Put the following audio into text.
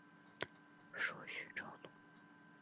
属叙州路。